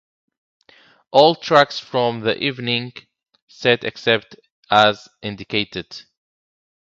All tracks from the evening sets except as indicated.